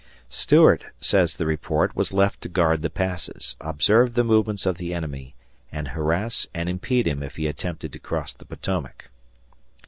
Stuart, says the report, was left to guard the passes, observe the movements of the enemy, and harass and impede him if he attempted to cross the Potomac.